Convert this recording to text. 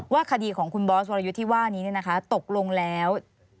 คดีของคุณบอสวรยุทธ์ที่ว่านี้ตกลงแล้ว